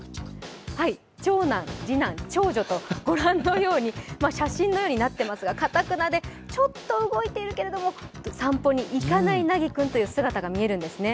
長男、次男、長女とご覧のように写真のようになっていますがかたくなで、ちょっと動いているけれども散歩に行かないなぎくんという姿に見えるんですね。